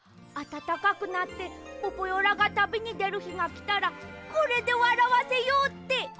あたたかくなってポポヨラがたびにでるひがきたらこれでわらわせようって！